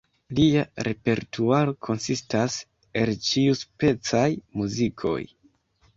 Lia repertuaro konsistas el ĉiuspecaj muzikoj.